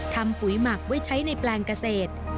ปุ๋ยหมักไว้ใช้ในแปลงเกษตร